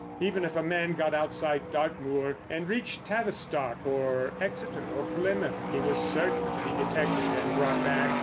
Even if a man got outside Dartmoor and reached Tavistock or Exeter or Plymouth he was certain to be detected and brought back.